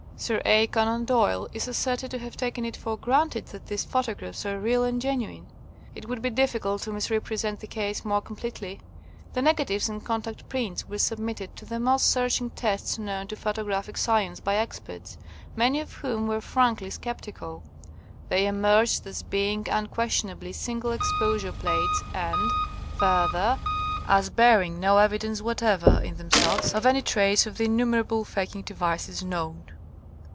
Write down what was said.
Sir A. Conan Doyle is asserted to have taken it 'for granted that these photographs are real and genuine.' It would be difficult to misrepresent the case more completely. The negatives and contact prints were sub mitted to the most searching tests known to photographic science by experts, many of whom were frankly sceptical. They emerged as being unquestionably single exposure plates and, further, as bearing no evidence whatever in themselves of any trace of the innumerable faking devices known.